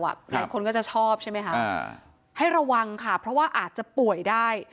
หลายคนก็จะชอบใช่ไหมคะให้ระวังค่ะเพราะว่าอาจจะป่วยได้